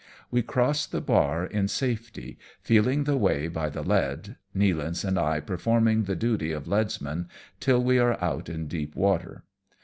15 We cross the bar in safety, feeling the way by the lead, Nealance and I performing the duty of leads men till we are out in deep water.